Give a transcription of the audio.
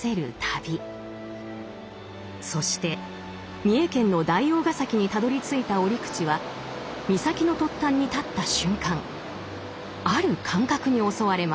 そして三重県の大王个崎にたどりついた折口は岬の突端に立った瞬間ある感覚に襲われます。